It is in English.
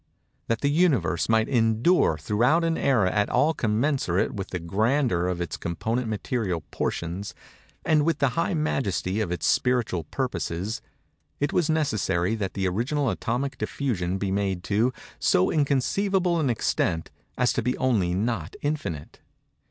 That the Universe might endure throughout an æra at all commensurate with the grandeur of its component material portions and with the high majesty of its spiritual purposes, it was necessary that the original atomic diffusion be made to so inconceivable an extent as to be only not infinite.